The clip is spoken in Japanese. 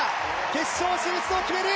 決勝進出を決める！